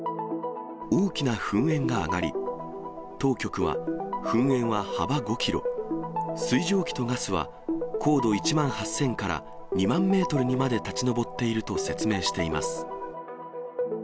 大きな噴煙が上がり、当局は噴煙は幅５キロ、水蒸気とガスは高度１万８０００から２万メートルにまで立ち上っていると説明しています。